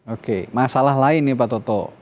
oke masalah lain nih pak toto